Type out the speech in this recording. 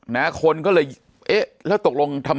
ปากกับภาคภูมิ